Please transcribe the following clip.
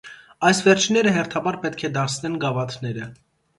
Այս վերջինները հերթաբար պէտք է դարձնեն գաւաթները։